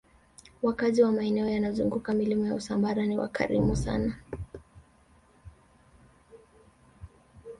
wakazi wa maeneo yanayozunguka milima ya usambara ni wakarimu sana